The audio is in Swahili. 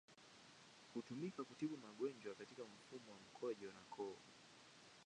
Hutumika kutibu magonjwa katika mfumo wa mkojo na koo.